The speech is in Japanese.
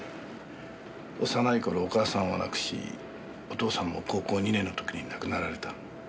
幼い頃お母さんを亡くしお父さんも高校２年の時に亡くなられた。